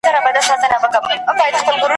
ځاي پر ځای مړ سو سفر یې نیمه خوا سو ..